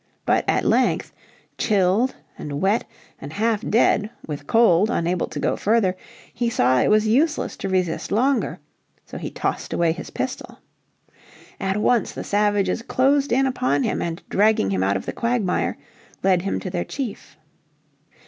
But at length, chilled and wet, and half dead with cold, unable to go further, he saw it was useless to resist longer. So he tossed away his pistol. At once the savages closed in upon and, dragging him out of the quagmire, led him to their chief.